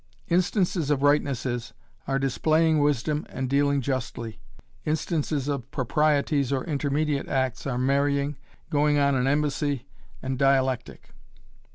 Instances of "rightnesses" are displaying wisdom and dealing justly, instances of proprieties or intermediate acts are marrying, going on an embassy, and dialectic.